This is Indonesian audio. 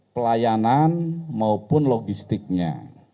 pelayanan maupun logistiknya